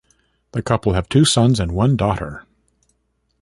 The couple have two sons and one daughter.